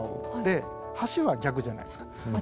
橋は逆じゃないですか。